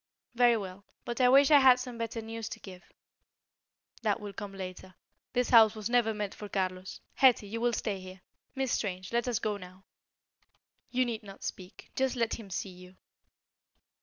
"Very well; but I wish I had some better news to give." "That will come later. This house was never meant for Carlos. Hetty, you will stay here. Miss Strange, let us go now." "You need not speak; just let him see you."